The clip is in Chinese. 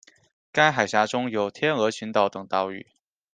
该海峡中有天鹅群岛等岛屿。